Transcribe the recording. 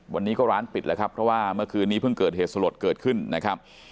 วันนี้ก็ร้านปิดแล้วครับเพราะว่าเมื่อคืนนี้เพิ่งเกิดเหตุสลดเกิดขึ้นนะครับ